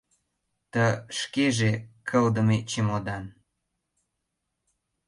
Т.- Шкеже — кылдыме чемодан.